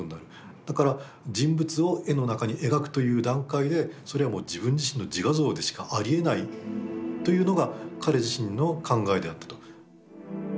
だから人物を絵の中に描くという段階でそれはもう自分自身の自画像でしかありえないというのが彼自身の考えであったと。